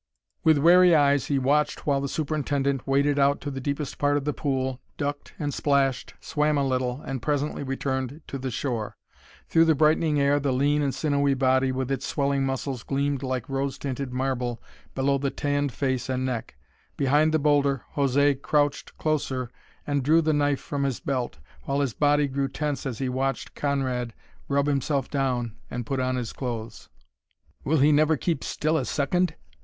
With wary eyes he watched while the superintendent waded out to the deepest part of the pool, ducked and splashed, swam a little, and presently returned to the shore. Through the brightening air the lean and sinewy body with its swelling muscles gleamed like rose tinted marble below the tanned face and neck. Behind the boulder José crouched closer and drew the knife from his belt, while his body grew tense as he watched Conrad rub himself down and put on his clothes. "Will he never keep still a second?"